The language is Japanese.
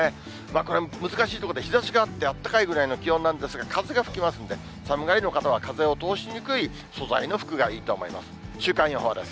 これも難しいところで、日ざしがあって、あったかいぐらいの気温なんですが、風が吹きますんで、寒がりの方は風を通しにくい素材の服がいいと思います。